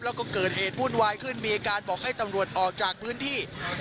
แล้วก็เกิดเหตุวุ่นวายขึ้นมีอาการบอกให้ตำรวจออกจากพื้นที่